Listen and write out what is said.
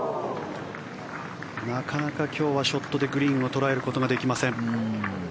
なかなか今日はショットでグリーンを捉えられません。